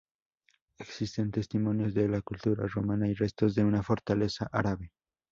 Existen testimonios de la cultura romana y restos de una fortaleza árabe.